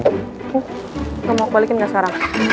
nggak mau balikin gak sekarang